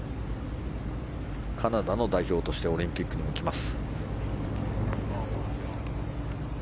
カナダの代表としてオリンピックにも来ます。